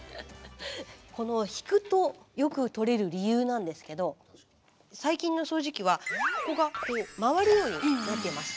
この引くとよく取れる理由なんですけど最近の掃除機はここが回るようになっています。